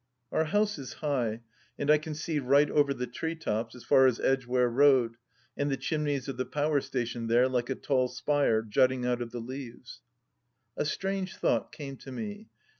... Our house is high, and I can see right over the tree tops as far as Edgware Road and the chimneys of the Power Station there, like a tall spire jutting out of the leaves. ... A strange thought came to me.